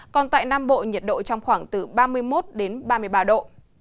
còn tại nam bộ nhiệt độ trong khoảng từ ba mươi một đến ba mươi ba độ